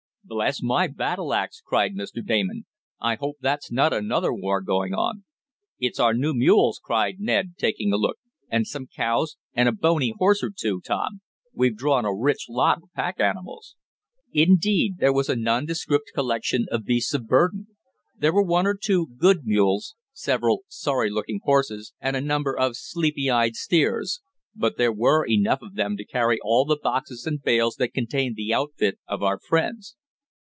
"Bless my battle axe!" cried Mr. Damon. "I hope that's not another war going on." "It's our new mules!" cried Ned, taking a look. "And some cows and a bony horse or two, Tom. We've drawn a rich lot of pack animals!" Indeed there was a nondescript collection of beasts of burden. There were one or two good mules, several sorry looking horses, and a number of sleepy eyed steers. But there were enough of them to carry all the boxes and bales that contained the outfit of our friends.